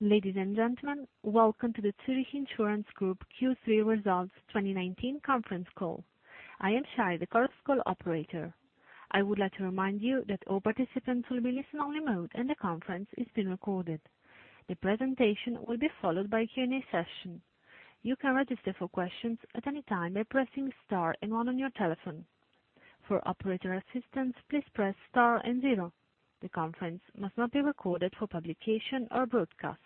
Ladies and gentlemen, welcome to the Zurich Insurance Group Q3 Results 2019 conference call. I am Shire, the conference call operator. I would like to remind you that all participants will be in listen-only mode, and the conference is being recorded. The presentation will be followed by a Q&A session. You can register for questions at any time by pressing star and one on your telephone. For operator assistance, please press star and zero. The conference must not be recorded for publication or broadcast.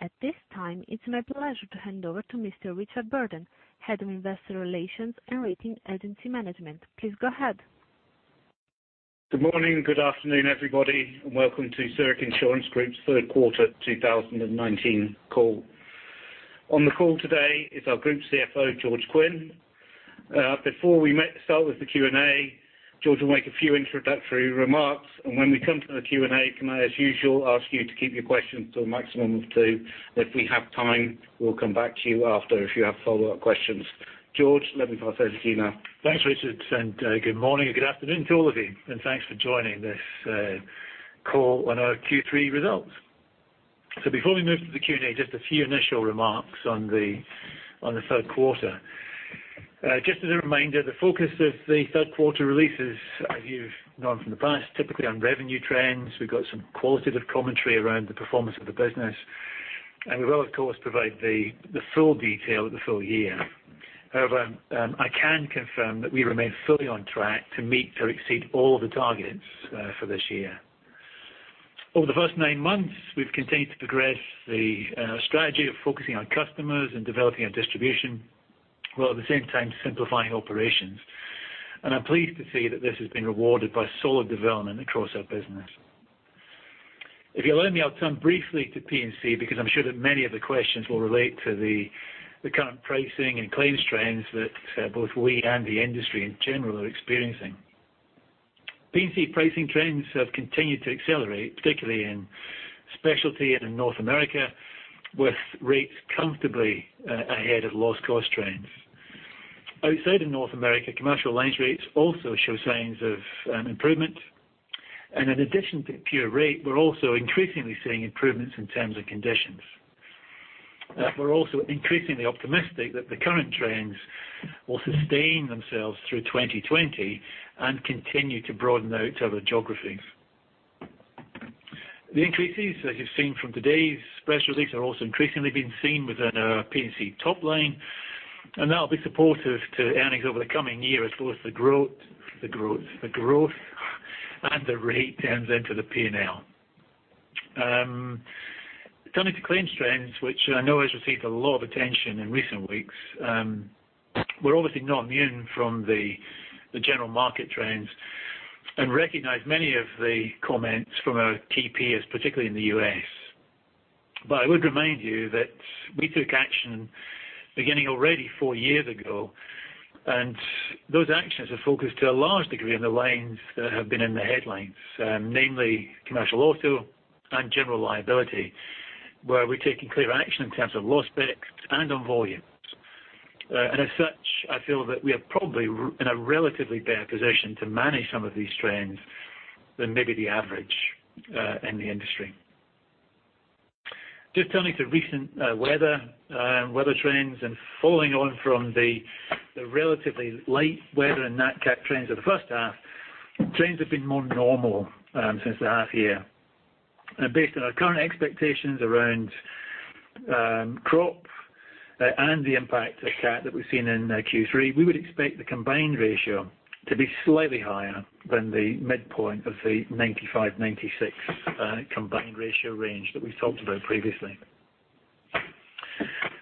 At this time, it's my pleasure to hand over to Mr. Richard Burden, Head of Investor Relations and Rating Agency Management. Please go ahead. Good morning, good afternoon, everybody, welcome to Zurich Insurance Group's third quarter 2019 call. On the call today is our Group CFO, George Quinn. Before we start with the Q&A, George will make a few introductory remarks. When we come to the Q&A, can I, as usual, ask you to keep your questions to a maximum of two. If we have time, we'll come back to you after if you have follow-up questions. George, let me pass over to you now. Thanks, Richard, good morning or good afternoon to all of you, and thanks for joining this call on our Q3 results. Before we move to the Q&A, just a few initial remarks on the third quarter. Just as a reminder, the focus of the third quarter release is, as you've known from the past, typically on revenue trends. We've got some qualitative commentary around the performance of the business. We will, of course, provide the full detail at the full year. However, I can confirm that we remain fully on track to meet or exceed all the targets for this year. Over the first nine months, we've continued to progress the strategy of focusing on customers and developing our distribution, while at the same time simplifying operations. I'm pleased to say that this has been rewarded by solid development across our business. If you'll allow me, I'll turn briefly to P&C, because I'm sure that many of the questions will relate to the current pricing and claims trends that both we and the industry, in general, are experiencing. P&C pricing trends have continued to accelerate, particularly in specialty and in North America, with rates comfortably ahead of loss cost trends. Outside of North America, commercial lines rates also show signs of improvement. In addition to pure rate, we're also increasingly seeing improvements in terms and conditions. We're also increasingly optimistic that the current trends will sustain themselves through 2020 and continue to broaden out to other geographies. The increases that you've seen from today's press release are also increasingly being seen within our P&C top line, and that will be supportive to earnings over the coming year as well as the growth and the rate turns into the P&L. Turning to claims trends, which I know has received a lot of attention in recent weeks. We're obviously not immune from the general market trends and recognize many of the comments from our peers, particularly in the U.S. I would remind you that we took action beginning already four years ago, and those actions are focused to a large degree on the lines that have been in the headlines, namely commercial auto and general liability, where we're taking clear action in terms of loss picks and on volumes. As such, I feel that we are probably in a relatively better position to manage some of these trends than maybe the average in the industry. Just turning to recent weather trends, and following on from the relatively light weather and nat cat trends of the first half, trends have been more normal since the half year. Based on our current expectations around crop and the impact of cat that we've seen in Q3, we would expect the combined ratio to be slightly higher than the midpoint of the 95, 96 combined ratio range that we talked about previously.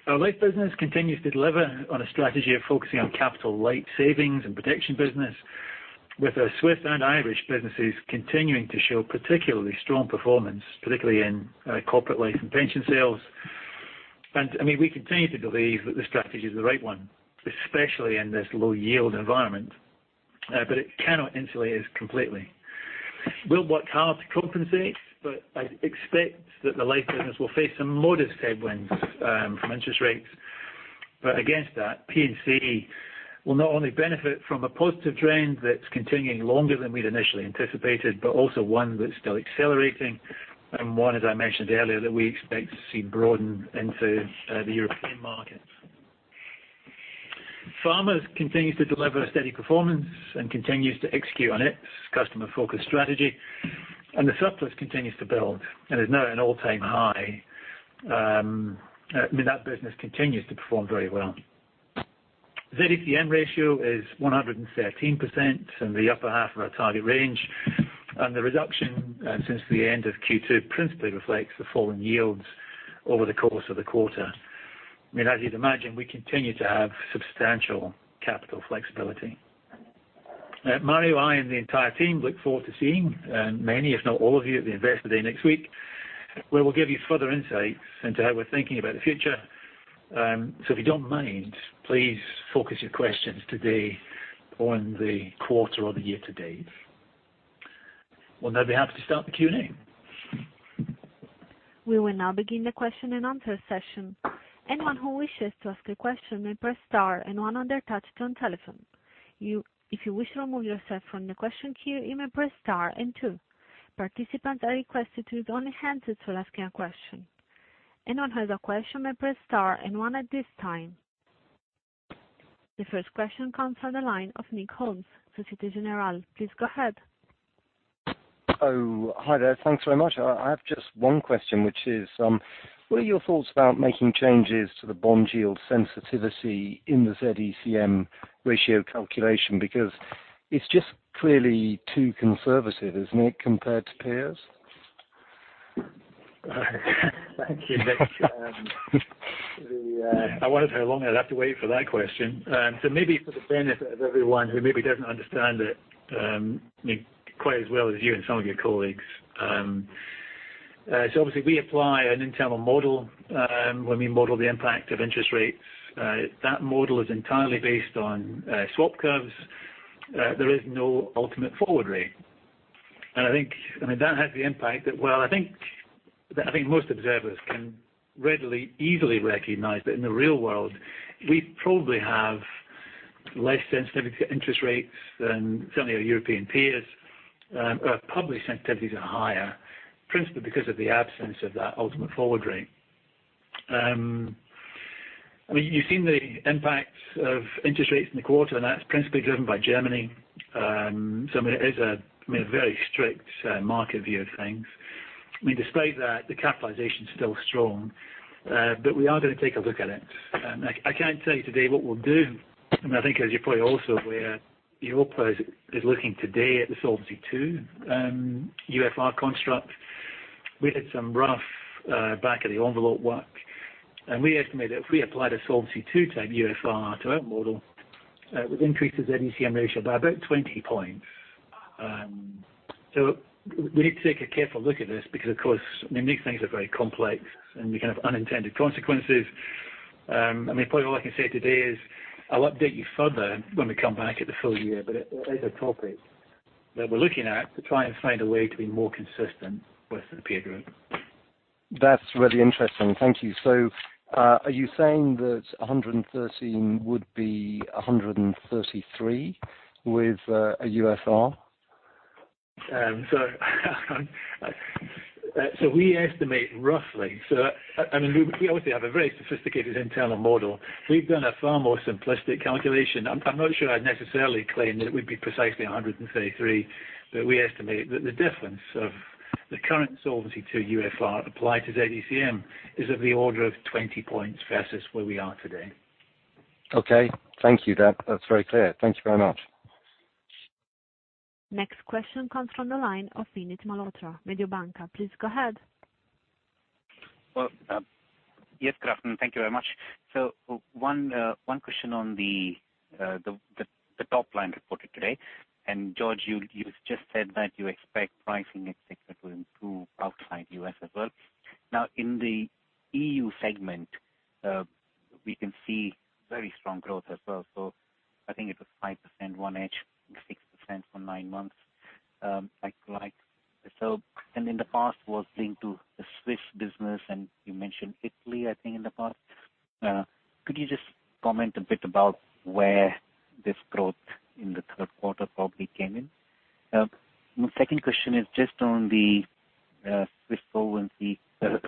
Our life business continues to deliver on a strategy of focusing on capital light savings and protection business, with our Swiss and Irish businesses continuing to show particularly strong performance, particularly in corporate life and pension sales. We continue to believe that the strategy is the right one, especially in this low yield environment. It cannot insulate us completely. We'll work hard to compensate, but I expect that the life business will face some modest headwinds from interest rates. Against that, P&C will not only benefit from a positive trend that's continuing longer than we'd initially anticipated, but also one that's still accelerating, and one, as I mentioned earlier, that we expect to see broaden into the European markets. Farmers continues to deliver steady performance and continues to execute on its customer-focused strategy, the surplus continues to build and is now at an all-time high. That business continues to perform very well. The Z-ECM ratio is 113% in the upper half of our target range. The reduction since the end of Q2 principally reflects the fall in yields over the course of the quarter. As you'd imagine, we continue to have substantial capital flexibility. Mario, I, and the entire team look forward to seeing many, if not all of you at the Investor Day next week, where we'll give you further insights into how we're thinking about the future. If you don't mind, please focus your questions today on the quarter or the year to date. We'll now be happy to start the Q&A. We will now begin the question and answer session. Anyone who wishes to ask a question may press star and one on their touch-tone telephone. If you wish to remove yourself from the question queue, you may press star and two. Participants are requested to use only hands to ask a question. Anyone who has a question may press star and one at this time. The first question comes from the line of Nick Holmes, Societe Generale. Please go ahead. Oh, hi there. Thanks very much. I have just one question, which is, what are your thoughts about making changes to the bond yield sensitivity in the Z-ECM ratio calculation? Because it's just clearly too conservative, isn't it, compared to peers? Thank you, Nick. I wondered how long I'd have to wait for that question. Maybe for the benefit of everyone who maybe doesn't understand it quite as well as you and some of your colleagues. Obviously we apply an internal model, when we model the impact of interest rates. That model is entirely based on swap curves. There is no ultimate forward rate. I think that has the impact that, well, I think most observers can readily, easily recognize that in the real world, we probably have less sensitivity to interest rates than certainly our European peers. Our published sensitivities are higher, principally because of the absence of that ultimate forward rate. You've seen the impact of interest rates in the quarter, and that's principally driven by Germany. It is a very strict market view of things. Despite that, the capitalization is still strong. We are going to take a look at it. I can't tell you today what we'll do. I think as you're probably also aware, the EIOPA is looking today at the Solvency II UFR construct. We did some rough back of the envelope work, and we estimate that if we apply the Solvency II type UFR to our model, it would increase the ZECM ratio by about 20 points. We need to take a careful look at this because, of course, these things are very complex, and we can have unintended consequences. Probably all I can say today is I'll update you further when we come back at the full year, but it is a topic that we're looking at to try and find a way to be more consistent with the peer group. That's really interesting. Thank you. Are you saying that 113 would be 133 with a UFR? We estimate roughly We obviously have a very sophisticated internal model. We've done a far more simplistic calculation. I'm not sure I'd necessarily claim that it would be precisely 133, but we estimate that the difference of the current Solvency II UFR applied to Z-ECM is of the order of 20 points versus where we are today. Okay. Thank you. That is very clear. Thank you very much. Next question comes from the line of Vinit Malhotra, Mediobanca. Please go ahead. Well, yes, good afternoon. Thank you very much. One question on the top line reported today, and George, you just said that you expect pricing et cetera to improve outside U.S. as well. In the EU segment, we can see very strong growth as well. I think it was 5% one edge and 6% for nine months. In the past was linked to the Swiss business and you mentioned Italy, I think in the past. Could you just comment a bit about where this growth in the third quarter probably came in? My second question is just on the Swiss solvency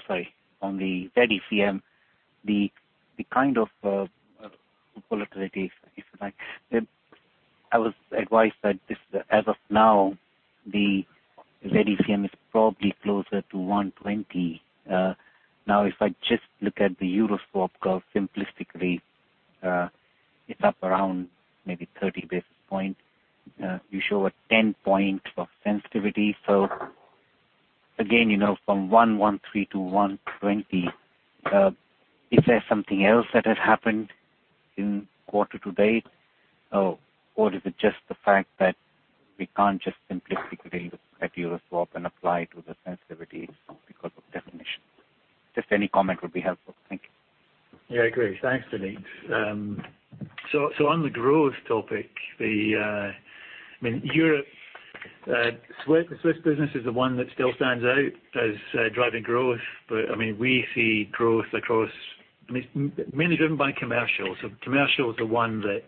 Sorry, on the ZECM, the kind of volatility, if you like. I was advised that as of now, the ZECM is probably closer to 120. If I just look at the Euroswap curve simplistically, it's up around maybe 30 basis points. You show a 10 point of sensitivity. Again, from 113 to 120, is there something else that has happened in quarter to date? Is it just the fact that we can't just simplistically look at Euro swap and apply to the sensitivity because of definition? Just any comment would be helpful. Thank you. Yeah, I agree. Thanks, Vinit. On the growth topic, the Swiss business is the one that still stands out as driving growth. We see growth across Mainly driven by commercial. Commercial is the one that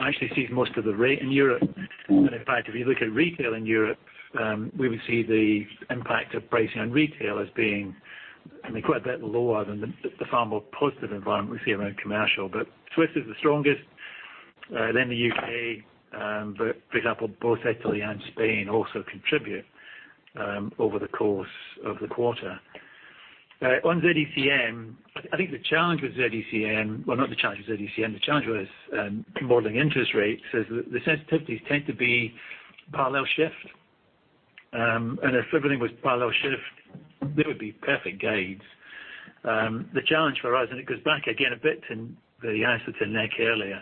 actually sees most of the rate in Europe. In fact, if you look at retail in Europe, we would see the impact of pricing on retail as being quite a bit lower than the far more positive environment we see around commercial. Swiss is the strongest, then the U.K. For example, both Italy and Spain also contribute over the course of the quarter. On ZECM, I think the challenge with ZECM, well, not the challenge with ZECM, the challenge with modeling interest rates is that the sensitivities tend to be parallel shift. If everything was parallel shift, they would be perfect guides. The challenge for us, it goes back again a bit to the answer to Nick earlier.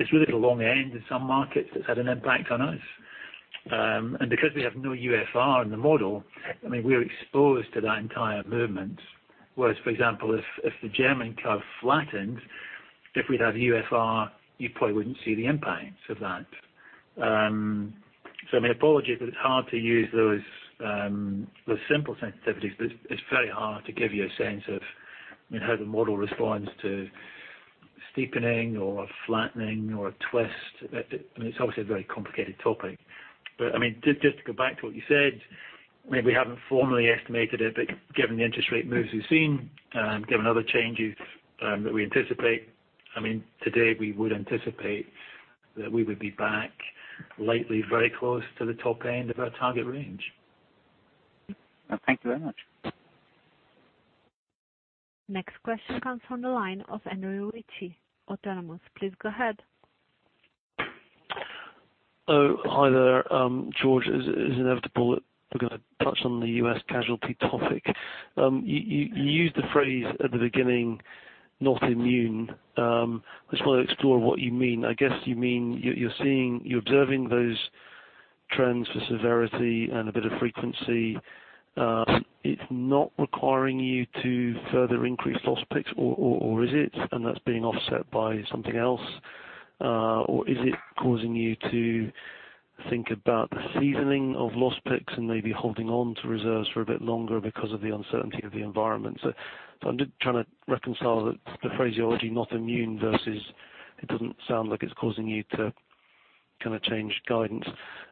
It's really at the long end in some markets that's had an impact on us. Because we have no UFR in the model, we're exposed to that entire movement. Whereas, for example, if the German curve flattened, if we'd had UFR, you probably wouldn't see the impact of that. My apologies, it's hard to use those simple sensitivities. It's very hard to give you a sense of how the model responds to steepening or flattening or twist. It's obviously a very complicated topic. Just to go back to what you said, we haven't formally estimated it, but given the interest rate moves we've seen, given other changes that we anticipate, today we would anticipate that we would be back likely very close to the top end of our target range. Thank you very much. Next question comes from the line of Andrew Ritchie, Autonomous. Please go ahead. Oh, hi there. George, it is inevitable that we're going to touch on the U.S. casualty topic. You used the phrase at the beginning, "not immune." I just want to explore what you mean. I guess you mean you're observing those trends for severity and a bit of frequency. It's not requiring you to further increase loss picks or is it, and that's being offset by something else? Is it causing you to think about the seasoning of loss picks and maybe holding on to reserves for a bit longer because of the uncertainty of the environment? I'm just trying to reconcile the phraseology, not immune, versus it doesn't sound like it's causing you to change guidance.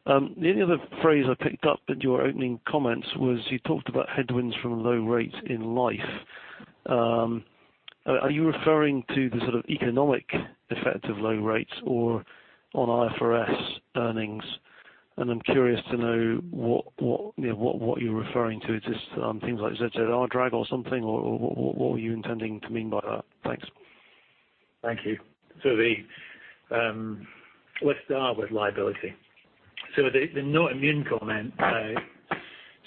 The only other phrase I picked up in your opening comments was you talked about headwinds from low rates in Life. Are you referring to the sort of economic effect of low rates or on IFRS earnings? I'm curious to know what you're referring to. Just things like ZZR drag or something, or what were you intending to mean by that? Thanks. Thank you. Let's start with liability. The not immune comment.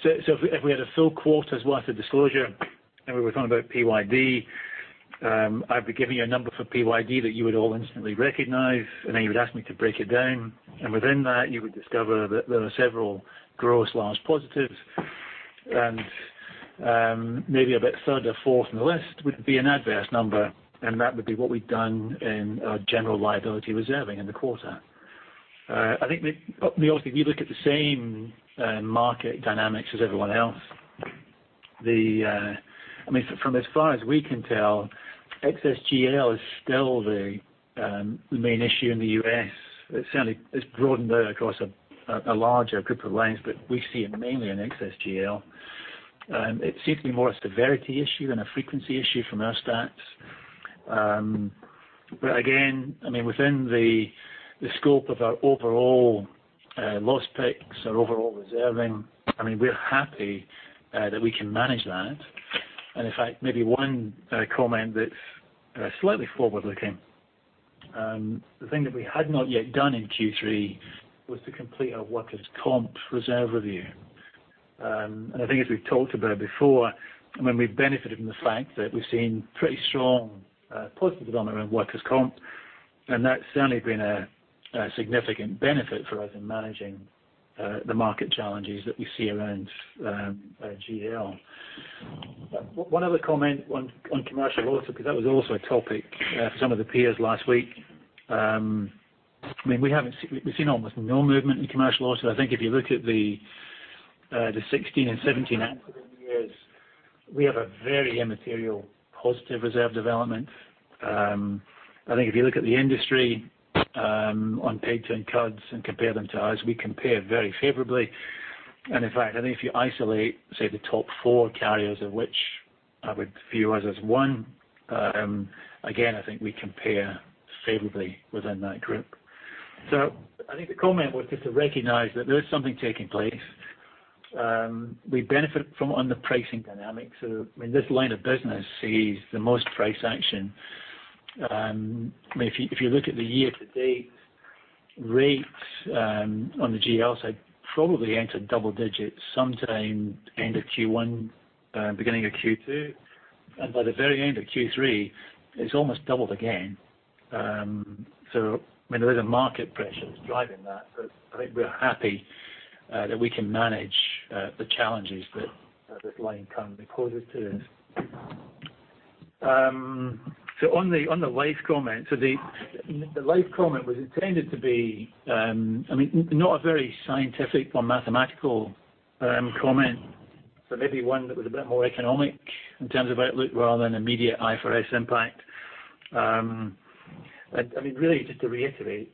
If we had a full quarter's worth of disclosure, and we were talking about PYD, I'd be giving you a number for PYD that you would all instantly recognize, and then you would ask me to break it down. Within that, you would discover that there are several gross large positives. Maybe about third or fourth on the list would be an adverse number, and that would be what we've done in our general liability reserving in the quarter. I think, obviously, we look at the same market dynamics as everyone else. From as far as we can tell, excess GL is still the main issue in the U.S. It's broadened out across a larger group of lines, but we see it mainly in excess GL. It seems to be more a severity issue than a frequency issue from our stats. Again, within the scope of our overall loss picks, our overall reserving, we're happy that we can manage that. In fact, maybe one comment that's slightly forward-looking. The thing that we had not yet done in Q3 was to complete our workers' comp reserve review. I think as we've talked about before, we benefited from the fact that we've seen pretty strong positive development around workers' comp, and that's certainly been a significant benefit for us in managing the market challenges that we see around GL. One other comment on commercial auto, because that was also a topic for some of the peers last week. We've seen almost no movement in commercial auto. I think if you look at the 2016 and 2017 accident years, we have a very immaterial positive reserve development. I think if you look at the industry on paid-to-incurred and compare them to us, we compare very favorably. In fact, I think if you isolate, say, the top four carriers of which I would view us as one, again, I think we compare favorably within that group. I think the comment was just to recognize that there is something taking place. We benefit from it on the pricing dynamics. This line of business sees the most price action. If you look at the year to date rates on the GL side, probably entered double digits sometime end of Q1, beginning of Q2. By the very end of Q3, it's almost doubled again. There is a market pressure that's driving that. I think we're happy that we can manage the challenges that this line currently causes to us. On the Life comment. The Life comment was intended to be not a very scientific or mathematical comment, but maybe one that was a bit more economic in terms of outlook rather than immediate IFRS impact. Really, just to reiterate,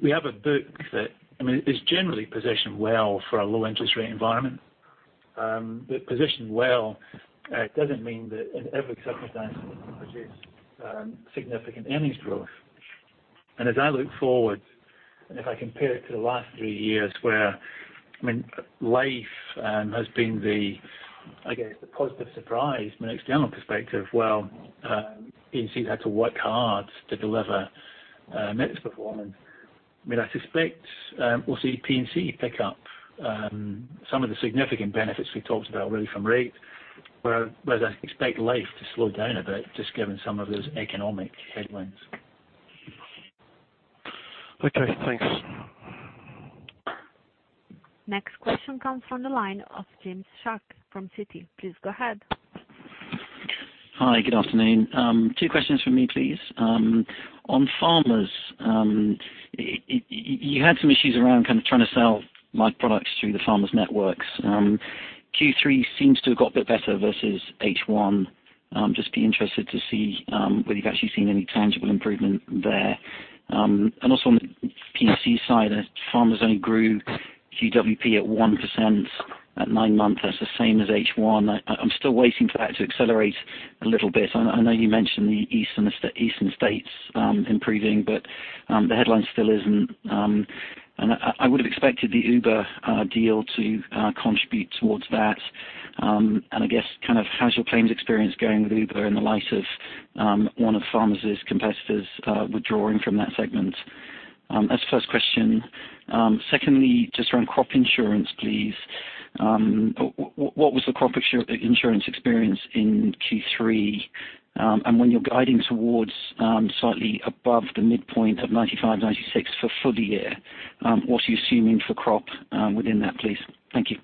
we have a book that is generally positioned well for a low interest rate environment. Positioned well doesn't mean that in every circumstance it will produce significant earnings growth. As I look forward, and if I compare it to the last three years where Life has been, I guess the positive surprise from an external perspective, while P&C has had to work hard to deliver mixed performance. I suspect we'll see P&C pick up some of the significant benefits we talked about really from rate, whereas I expect Life to slow down a bit just given some of those economic headwinds. Okay, thanks. Next question comes from the line of James Shuck from Citi. Please go ahead. Hi, good afternoon. Two questions from me, please. On Farmers, you had some issues around trying to sell life products through the Farmers networks. Q3 seems to have got a bit better versus H1. Be interested to see whether you've actually seen any tangible improvement there. Also on the P&C side, as Farmers only grew GWP at 1% at nine months, that's the same as H1. I'm still waiting for that to accelerate a little bit. I know you mentioned the eastern states improving, but the headline still isn't I would have expected the Uber deal to contribute towards that. I guess, how's your claims experience going with Uber in the light of one of Farmers' competitors withdrawing from that segment? That's the first question. Secondly, just around crop insurance, please. What was the crop insurance experience in Q3? When you're guiding towards slightly above the midpoint of 95%, 96% for the year, what are you assuming for crop within that, please? Thank you.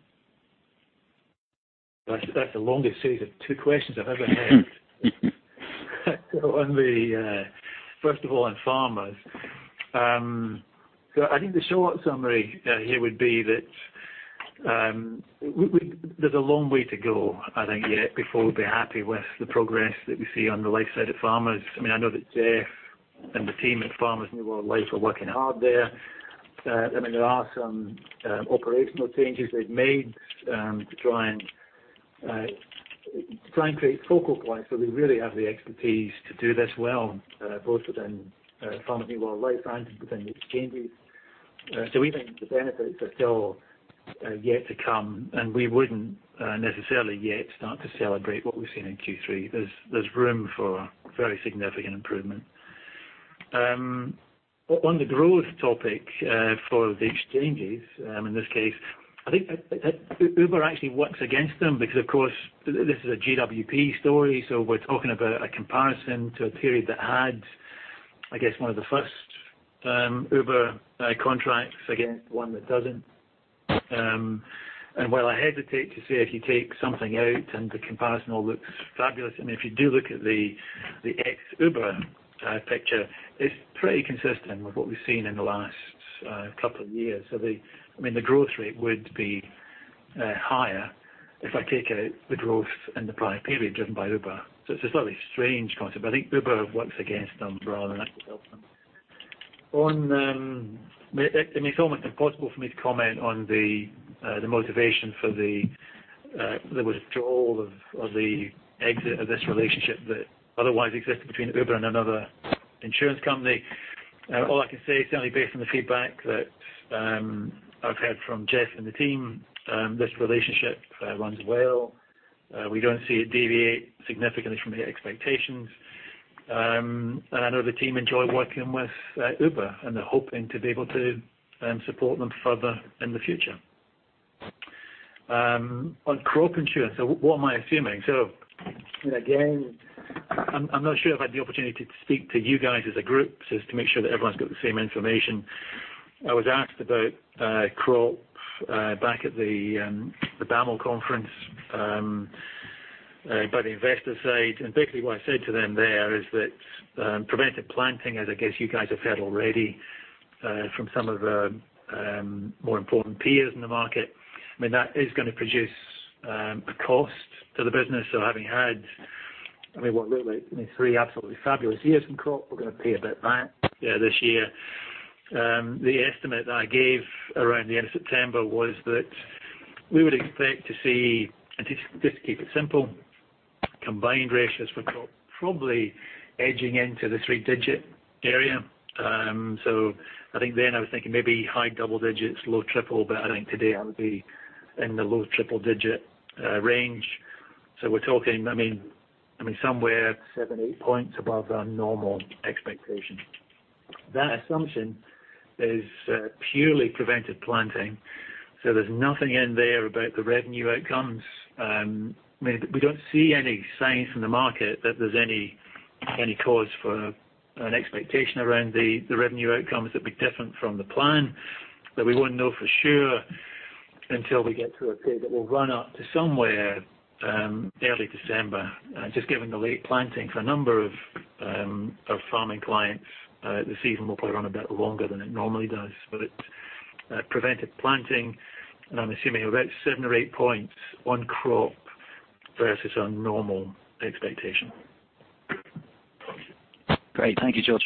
That's the longest series of two questions I've ever had. First of all, on Farmers. I think the short summary here would be that there's a long way to go, I think, yet before we'll be happy with the progress that we see on the life side of Farmers. I know that Geoff and the team at Farmers New World Life are working hard there. There are some operational changes they've made to try and create focal points where they really have the expertise to do this well, both within Farmers New World Life and within the exchanges. We think the benefits are still yet to come, and we wouldn't necessarily yet start to celebrate what we've seen in Q3. There's room for very significant improvement. On the growth topic for the exchanges, in this case, I think Uber actually works against them because, of course, this is a GWP story, we're talking about a comparison to a period that had, I guess, one of the first Uber contracts against one that doesn't. While I hesitate to say if you take something out and the comparison all looks fabulous, if you do look at the ex Uber picture, it's pretty consistent with what we've seen in the last couple of years. The growth rate would be higher if I take out the growth in the prior period driven by Uber. It's a slightly strange concept, but I think Uber works against them rather than helps them. It's almost impossible for me to comment on the motivation for the withdrawal of the exit of this relationship that otherwise existed between Uber and another insurance company. All I can say, certainly based on the feedback that I've heard from Geoff and the team, this relationship runs well. We don't see it deviate significantly from the expectations. I know the team enjoy working with Uber, and they're hoping to be able to support them further in the future. On crop insurance, what am I assuming? Again, I'm not sure I've had the opportunity to speak to you guys as a group, just to make sure that everyone's got the same information. I was asked about crop back at the BAML conference by the investor side. Basically what I said to them there is that prevented planting, as I guess you guys have heard already from some of the more important peers in the market, that is going to produce a cost to the business. Having had, what, literally three absolutely fabulous years in crop, we're going to pay a bit back this year. The estimate that I gave around the end of September was that we would expect to see, just to keep it simple, combined ratios for crop probably edging into the three digit area. I think then I was thinking maybe high double digits, low triple. I think today I would be in the low triple digit range. We're talking somewhere seven, eight points above our normal expectation. That assumption is purely prevented planting. There's nothing in there about the revenue outcomes. We don't see any signs from the market that there's any cause for an expectation around the revenue outcomes that'd be different from the plan. We wouldn't know for sure until we get to a period that will run up to somewhere early December. Just given the late planting for a number of our farming clients, the season will probably run a bit longer than it normally does. It's prevented planting, and I'm assuming about seven or eight points on crop versus our normal expectation. Great. Thank you, George.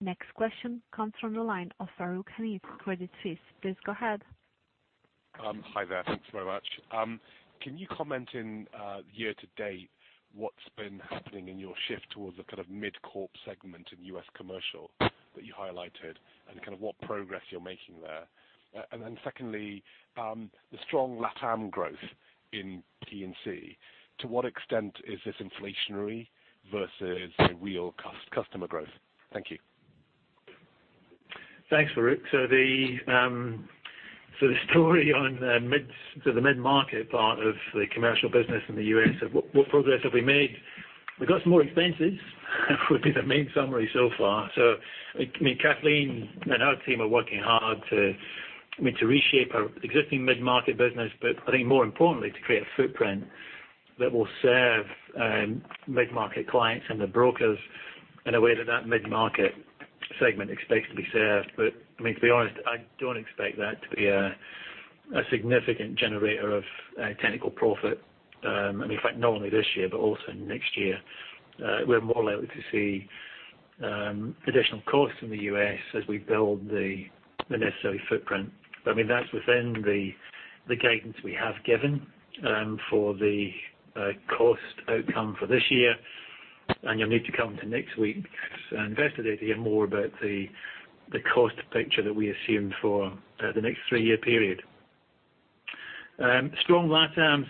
Next question comes from the line of Farooq Hanif, Credit Suisse. Please go ahead. Hi there. Thanks very much. Can you comment in year-to-date what's been happening in your shift towards the MidCorp segment in U.S. commercial that you highlighted and what progress you're making there? Secondly, the strong LATAM growth in P&C. To what extent is this inflationary versus real customer growth? Thank you. Thanks, Farooq. The story on the mid-market part of the commercial business in the U.S., what progress have we made? We got some more expenses would be the main summary so far. Kathleen and her team are working hard to reshape our existing mid-market business, but I think more importantly, to create a footprint that will serve mid-market clients and the brokers in a way that mid-market segment expects to be served. To be honest, I don't expect that to be a significant generator of technical profit. In fact, not only this year, but also next year. We're more likely to see additional costs in the U.S. as we build the necessary footprint. That's within the guidance we have given for the cost outcome for this year, and you'll need to come to next week's Investor Day to hear more about the cost picture that we assumed for the next three-year period. Strong LatAm.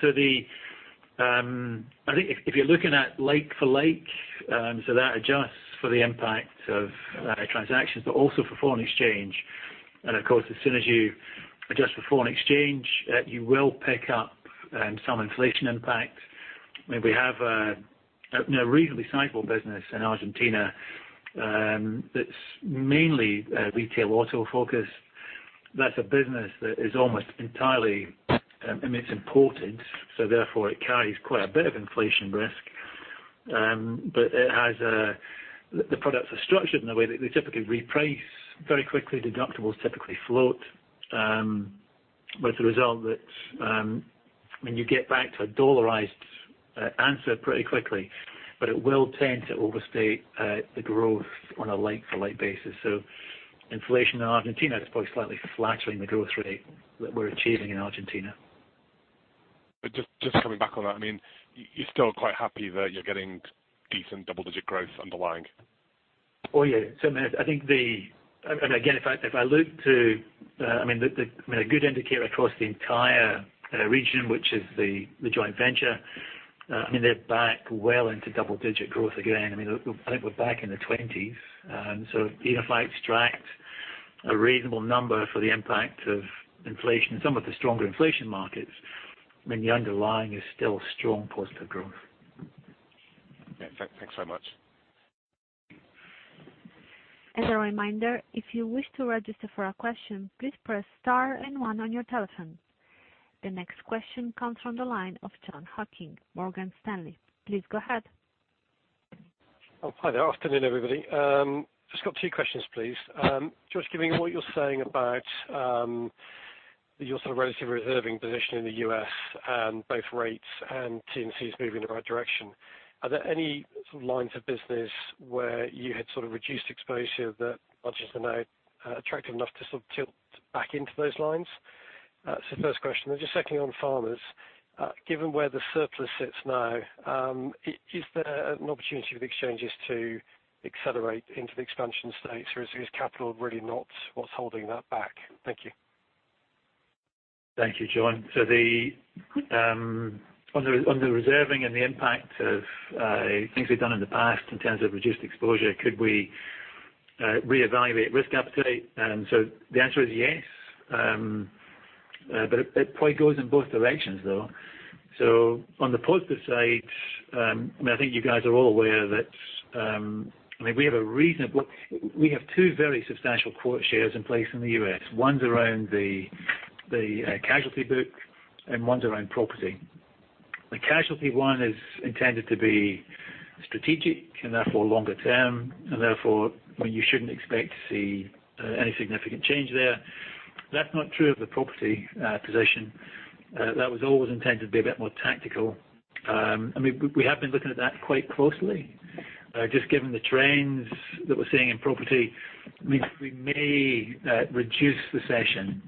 If you're looking at like-for-like, so that adjusts for the impact of transactions, but also for foreign exchange. Of course, as soon as you adjust for foreign exchange, you will pick up some inflation impact. We have a reasonably sizable business in Argentina, that's mainly retail auto focus. That's a business that is almost entirely, it's imported, so therefore it carries quite a bit of inflation risk. The products are structured in a way that they typically reprice very quickly. Deductibles typically float, with the result that when you get back to a dollarized answer pretty quickly. It will tend to overstate the growth on a like-for-like basis. Inflation in Argentina is probably slightly flattering the growth rate that we're achieving in Argentina. Just coming back on that, you're still quite happy that you're getting decent double-digit growth underlying? Oh, yeah. A good indicator across the entire region, which is the joint venture. They're back well into double-digit growth again. I think we're back in the 20s. Even if I extract a reasonable number for the impact of inflation in some of the stronger inflation markets, the underlying is still strong positive growth. Yeah. Thanks so much. As a reminder, if you wish to register for a question, please press star and one on your telephone. The next question comes from the line of Jon Hocking, Morgan Stanley. Please go ahead. Hi there. Afternoon, everybody. Got two questions, please. Given what you're saying about your sort of relative reserving position in the U.S. on both rates and T&C is moving in the right direction, are there any sort of lines of business where you had sort of reduced exposure that are just now attractive enough to sort of tilt back into those lines? That's the first question. Secondly on Farmers. Given where the surplus sits now, is there an opportunity for the Exchanges to accelerate into the expansion stage, or is capital really not what's holding that back? Thank you. Thank you, Jon. On the reserving and the impact of things we've done in the past in terms of reduced exposure, could we reevaluate risk appetite? The answer is yes, but it probably goes in both directions, though. On the positive side, I think you guys are all aware that we have two very substantial quota shares in place in the U.S. One's around the casualty book and one's around property. The casualty one is intended to be strategic and therefore longer term, and therefore you shouldn't expect to see any significant change there. That's not true of the property position. That was always intended to be a bit more tactical. We have been looking at that quite closely. Just given the trends that we're seeing in property, we may reduce the session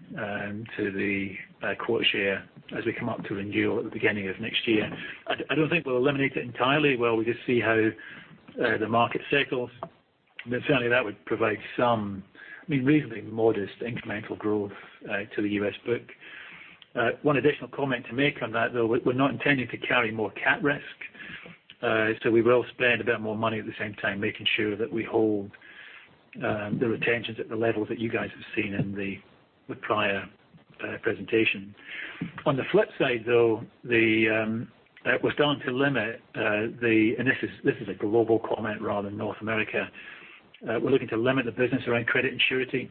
to the quota share as we come up to renew at the beginning of next year. I don't think we'll eliminate it entirely while we just see how the market cycles. Certainly that would provide some reasonably modest incremental growth to the U.S. book. One additional comment to make on that, though, we're not intending to carry more cat risk. We will spend a bit more money at the same time making sure that we hold the retentions at the level that you guys have seen in the prior presentation. On the flip side, though, we're starting to limit, and this is a global comment rather than North America. We're looking to limit the business around credit and surety.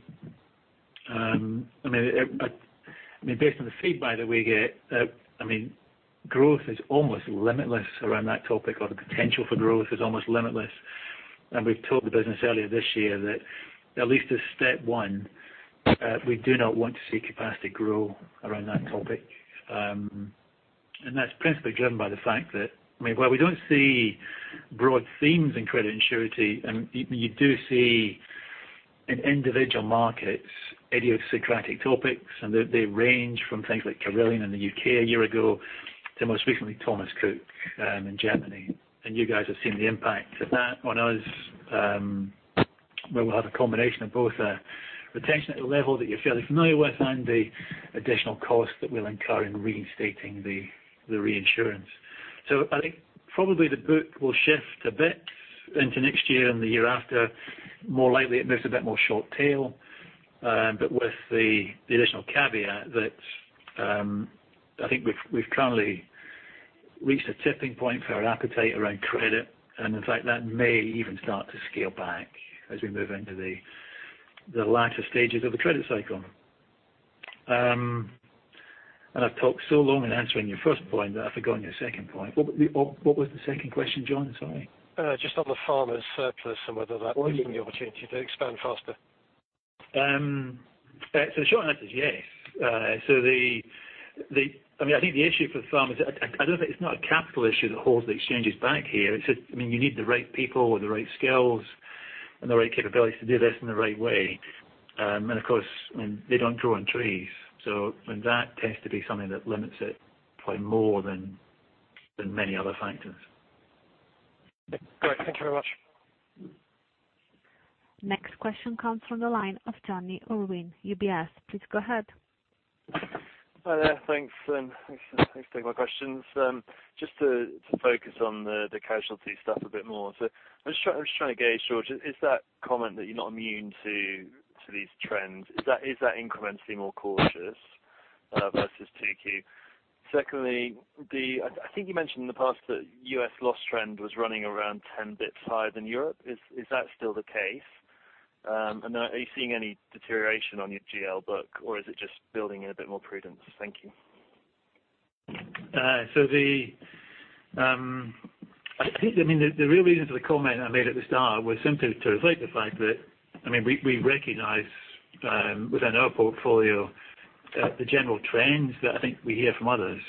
Based on the feedback that we get, growth is almost limitless around that topic, or the potential for growth is almost limitless. We've told the business earlier this year that at least as step one, we do not want to see capacity grow around that topic. That's principally driven by the fact that, while we don't see broad themes in credit and surety, you do see in individual markets, idiosyncratic topics. They range from things like Carillion in the U.K. a year ago to most recently Thomas Cook in Germany. You guys have seen the impact of that on us, where we'll have a combination of both a retention at a level that you're fairly familiar with and the additional cost that we'll incur in reinstating the reinsurance. I think probably the book will shift a bit into next year and the year after. More likely it moves a bit more short tail. With the additional caveat that I think we've currently reached a tipping point for our appetite around credit, and in fact, that may even start to scale back as we move into the latter stages of the credit cycle. I've talked so long in answering your first point that I've forgotten your second point. What was the second question, Jon? Sorry. Just on the Farmers surplus and whether that gives you the opportunity to expand faster. The short answer is yes. I think the issue for the Farmers, it's not a capital issue that holds the Exchanges back here. You need the right people with the right skills and the right capabilities to do this in the right way. Of course, they don't grow on trees. That tends to be something that limits it probably more than many other factors. Great. Thank you very much. Next question comes from the line of Jonny Urwin, UBS. Please go ahead. Hi there. Thanks. Thanks for taking my questions. Just to focus on the casualty stuff a bit more. I'm just trying to gauge, George, is that comment that you're not immune to these trends, is that incrementally more cautious versus 2Q? Secondly, I think you mentioned in the past that U.S. loss trend was running around 10 basis points higher than Europe. Are you seeing any deterioration on your GL book or is it just building in a bit more prudence? Thank you. I think the real reason for the comment I made at the start was simply to reflect the fact that we recognize within our portfolio the general trends that I think we hear from others.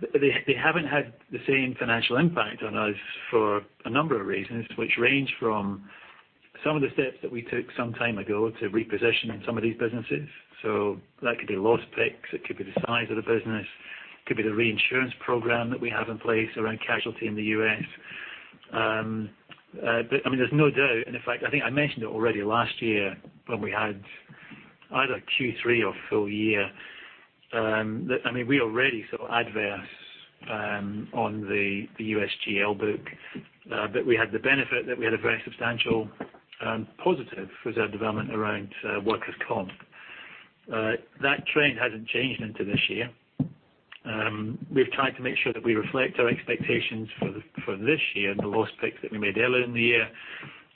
They haven't had the same financial impact on us for a number of reasons, which range from some of the steps that we took some time ago to reposition some of these businesses. That could be loss picks, it could be the size of the business, it could be the reinsurance program that we have in place around casualty in the U.S. There's no doubt, and in fact, I think I mentioned it already last year when we had either Q3 or full year, that we already saw adverse on the U.S. GL book. We had the benefit that we had a very substantial positive reserve development around workers' comp. That trend hasn't changed into this year. We've tried to make sure that we reflect our expectations for this year and the loss picks that we made earlier in the year.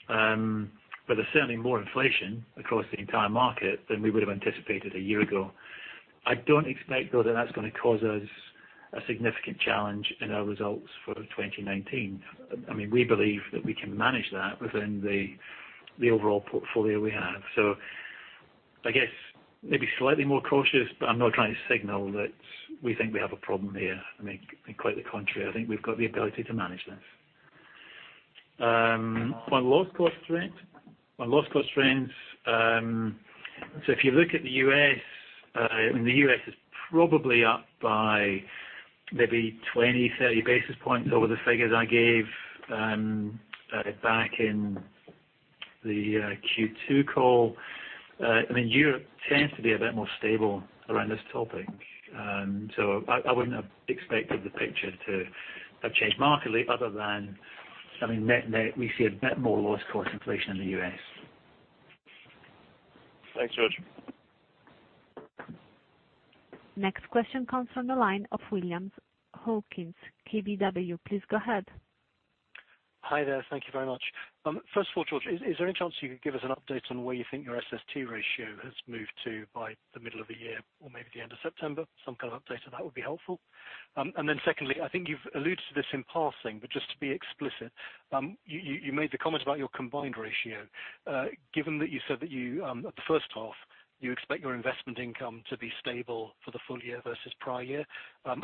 There's certainly more inflation across the entire market than we would have anticipated a year ago. I don't expect, though, that that's going to cause us a significant challenge in our results for 2019. We believe that we can manage that within the overall portfolio we have. I guess maybe slightly more cautious, but I'm not trying to signal that we think we have a problem here. Quite the contrary, I think we've got the ability to manage this. On loss cost trends, if you look at the U.S., the U.S. is probably up by maybe 20, 30 basis points over the figures I gave back in the Q2 call. Europe tends to be a bit more stable around this topic. I wouldn't have expected the picture to have changed markedly other than we see a bit more loss cost inflation in the U.S. Thanks, George. Next question comes from the line of William Hawkins, KBW. Please go ahead. Hi there. Thank you very much. First of all, George, is there any chance you could give us an update on where you think your SST ratio has moved to by the middle of the year or maybe the end of September? Some kind of update to that would be helpful. Secondly, I think you've alluded to this in passing, but just to be explicit. You made the comment about your combined ratio. Given that you said that at the first half you expect your investment income to be stable for the full year versus prior year,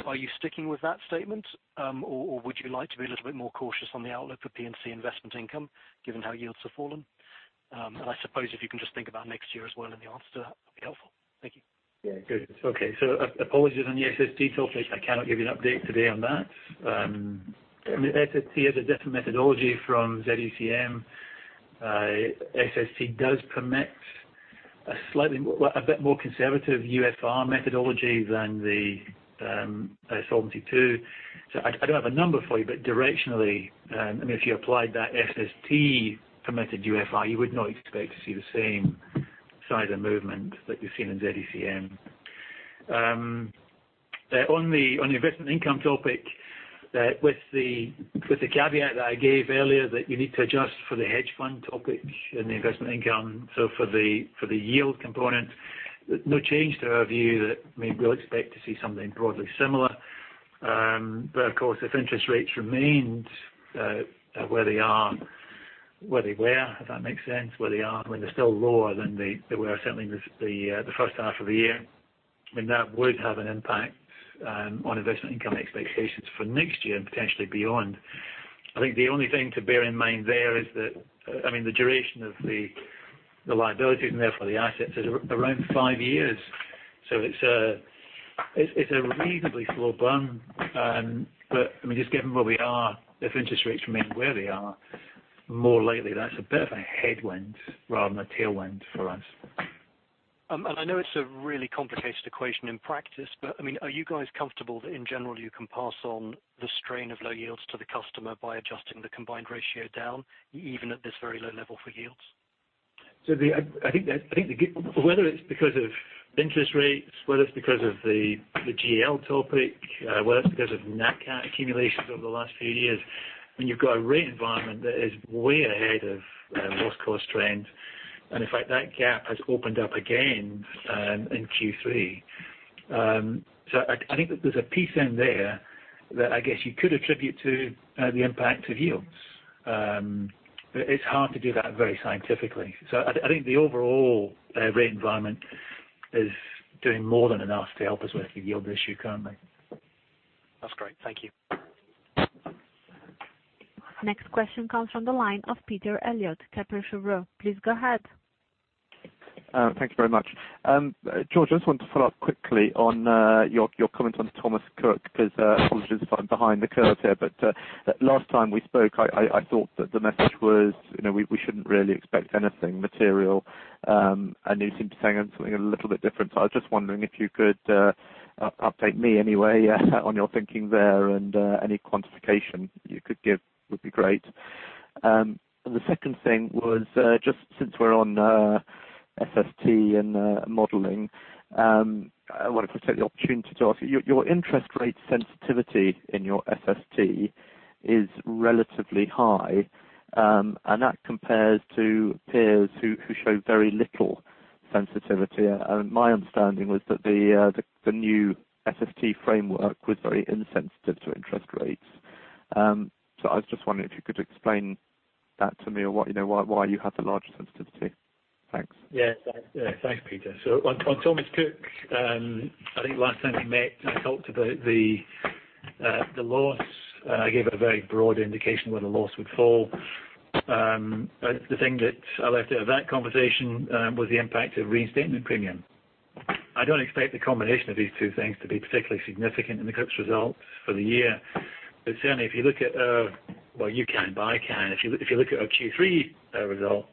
are you sticking with that statement? Would you like to be a little bit more cautious on the outlook for P&C investment income given how yields have fallen? I suppose if you can just think about next year as well in the answer to that'd be helpful. Thank you. Yeah, good. Okay. Apologies on the SST topic. I cannot give you an update today on that. SST has a different methodology from ZECM. SST does permit a bit more conservative UFR methodology than the Solvency II. I don't have a number for you, but directionally, if you applied that SST permitted UFR, you would not expect to see the same size of movement that you've seen in ZECM. On the investment income topic, with the caveat that I gave earlier that you need to adjust for the hedge fund topic and the investment income, so for the yield component, no change to our view that we'll expect to see something broadly similar. Of course, if interest rates remained where they are, where they were, if that makes sense, where they are. They're still lower than they were certainly in the first half of the year. That would have an impact on investment income expectations for next year and potentially beyond. I think the only thing to bear in mind there is that the duration of the liability and therefore the assets is around five years. It's a reasonably slow burn. Just given where we are, if interest rates remain where they are, more likely that's a bit of a headwind rather than a tailwind for us. I know it's a really complicated equation in practice, but are you guys comfortable that in general you can pass on the strain of low yields to the customer by adjusting the combined ratio down, even at this very low level for yields? Whether it's because of interest rates, whether it's because of the GL topic, whether it's because of nat cat accumulations over the last few years, when you've got a rate environment that is way ahead of loss cost trends, and in fact, that gap has opened up again in Q3. I think that there's a piece in there that I guess you could attribute to the impact of yields. I think the overall rate environment is doing more than enough to help us with the yield issue currently. That's great. Thank you. Next question comes from the line of Peter Eliot, Kepler Cheuvreux. Please go ahead. Thank you very much. George, I just wanted to follow up quickly on your comment on Thomas Cook, because apologies if I'm behind the curve here, but last time we spoke, I thought that the message was we shouldn't really expect anything material. You seem to be saying something a little bit different. I was just wondering if you could update me anyway on your thinking there and any quantification you could give would be great. The second thing was, just since we're on SST and modeling, I wanted to take the opportunity to ask you. Your interest rate sensitivity in your SST is relatively high, and that compares to peers who show very little sensitivity. My understanding was that the new SST framework was very insensitive to interest rates. I was just wondering if you could explain that to me or why you have the larger sensitivity. Thanks. Yeah. Thanks, Peter. On Thomas Cook, I think last time we met, I talked about the loss. I gave a very broad indication where the loss would fall. The thing that I left out of that conversation was the impact of reinstatement premium. I don't expect the combination of these two things to be particularly significant in the group's results for the year. Certainly if you look at, well, you can, but I can't. If you look at our Q3 results,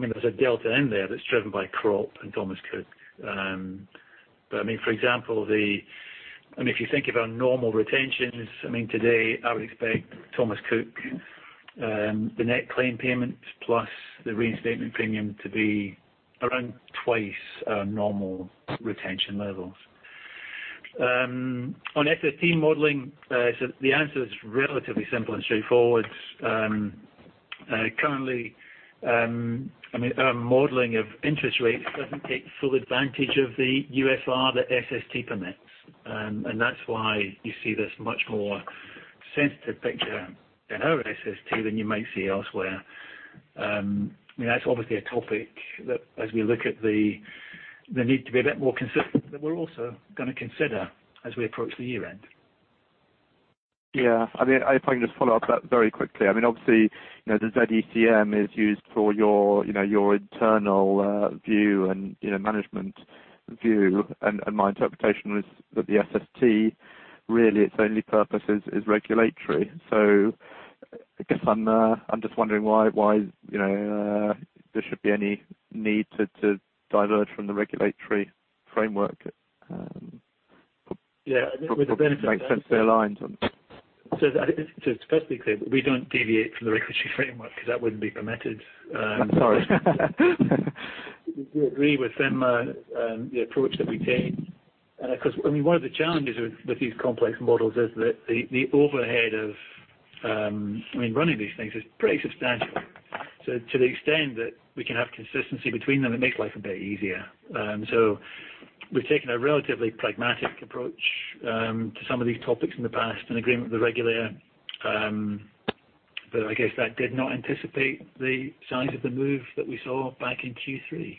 there's a delta in there that's driven by crop and Thomas Cook. For example, if you think of our normal retentions, today I would expect Thomas Cook, the net claim payments plus the reinstatement premium to be around twice our normal retention levels. On SST modeling, the answer is relatively simple and straightforward. Currently, our modeling of interest rates doesn't take full advantage of the UFR that SST permits. That's why you see this much more sensitive picture in our SST than you might see elsewhere. That's obviously a topic that as we look at the need to be a bit more consistent, that we're also going to consider as we approach the year end. Yeah. If I can just follow up that very quickly. Obviously, the ZECM is used for your internal view and management view, and my interpretation was that the SST, really its only purpose is regulatory. I guess I'm just wondering why there should be any need to diverge from the regulatory framework. Yeah. Make sense they align. Just to be clear, we don't deviate from the regulatory framework because that wouldn't be permitted. I'm sorry. We agree with FINMA and the approach that we take. One of the challenges with these complex models is that the overhead of running these things is pretty substantial. To the extent that we can have consistency between them, it makes life a bit easier. We've taken a relatively pragmatic approach to some of these topics in the past in agreement with the regulator. I guess that did not anticipate the size of the move that we saw back in Q3.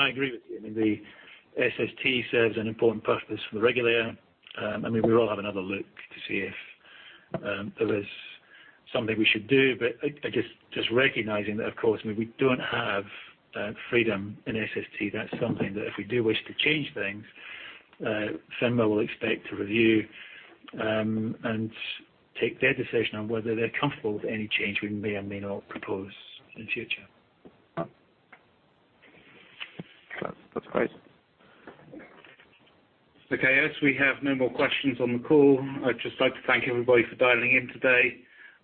I agree with you. The SST serves an important purpose for the regulator. We will have another look to see if there was something we should do, I guess just recognizing that, of course, we don't have freedom in SST. That's something that if we do wish to change things, FINMA will expect to review and take their decision on whether they're comfortable with any change we may or may not propose in future. That's great. Okay. As we have no more questions on the call, I'd just like to thank everybody for dialing in today.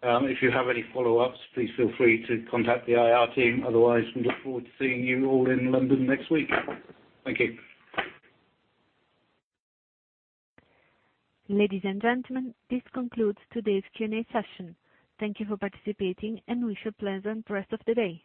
If you have any follow-ups, please feel free to contact the IR team. Otherwise, we look forward to seeing you all in London next week. Thank you. Ladies and gentlemen, this concludes today's Q&A session. Thank you for participating, and wish you a pleasant rest of the day.